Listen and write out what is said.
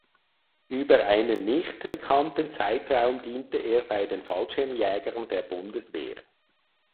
Über einen nicht bekannten Zeitraum diente er bei den Fallschirmjägern der Bundeswehr.